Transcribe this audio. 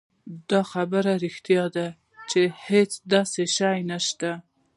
دا خبره رښتيا ده چې هېڅ داسې شی نشته